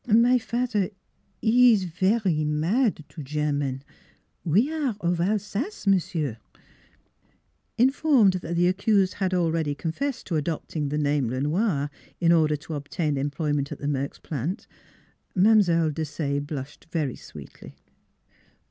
My fat'er, 'e ees vary mad to German: we are of Alsace, 340 NEIGHBORS Informed that the accused had already con fessed to adopting the name Le Noir in order to obtain employment at the Merks plant, Mile. Desaye blushed very sweetly.